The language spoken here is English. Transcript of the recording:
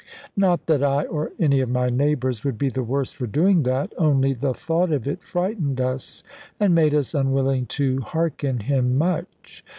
Not that I or any of my neighbours would be the worse for doing that; only the thought of it frightened us, and made us unwilling to hearken him much.